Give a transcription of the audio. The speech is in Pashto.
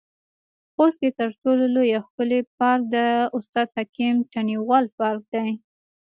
خوست کې تر ټولو لوى او ښکلى پارک د استاد حکيم تڼيوال پارک دى.